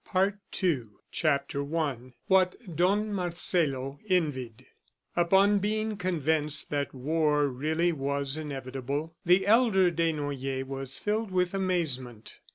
PART II CHAPTER I WHAT DON MARCELO ENVIED Upon being convinced that war really was inevitable, the elder Desnoyers was filled with amazement.